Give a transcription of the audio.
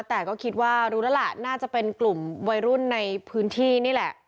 แต่ก็คิดว่ารู้แล้วล่ะน่าจะเป็นกลุ่มวัยรุ่นในพื้นที่นี่แหละ